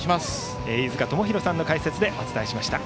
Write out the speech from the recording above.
飯塚智広さんの解説でお伝えいたしました。